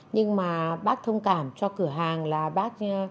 nhưng mà bác thông cảm cho cửa hàng là bác